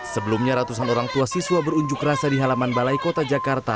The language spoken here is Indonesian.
sebelumnya ratusan orang tua siswa berunjuk rasa di halaman balai kota jakarta